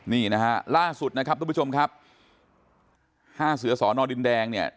นี่นะฮะล่าสุดนะครับทุกผู้ชมครับห้าเสือสอนอดินแดงเนี่ย